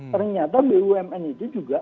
ternyata bumn itu juga